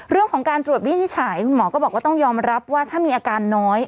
เรื่องของการตรวจวินิจฉัยคุณหมอก็บอกว่าต้องยอมรับว่าถ้ามีอาการน้อย